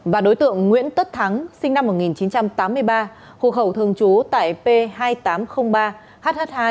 và đối tượng nguyễn tất thắng sinh năm một nghìn chín trăm tám mươi ba hộ khẩu thường trú tại p hai nghìn tám trăm linh ba hh hai